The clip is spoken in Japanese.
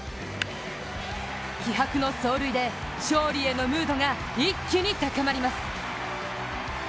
気迫の走塁で勝利へのムードが一気に高まります。